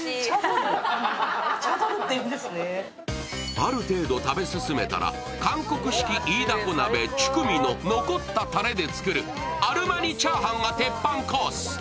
ある程度食べ進めたら、韓国式イイダコ鍋・チュクミの残ったたれで作るアルマニチャーハンが鉄板コース。